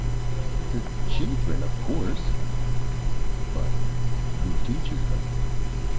"The children, of course." "But who teaches them?"